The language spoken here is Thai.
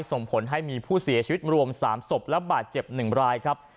ส่งผลให้มีผู้เสียชีวิตรวม๓ศพและบาดเจ็บ๑รายครับ